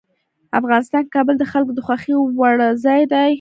افغانستان کې کابل د خلکو د خوښې وړ ځای دی.